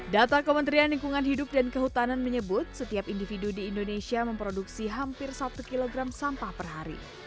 data kementerian lingkungan hidup dan kehutanan menyebut setiap individu di indonesia memproduksi hampir satu kg sampah per hari